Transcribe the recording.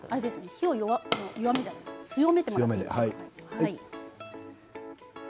火を強めてもらってもいいですか。